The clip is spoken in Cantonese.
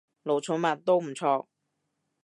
奴寵物，都唔錯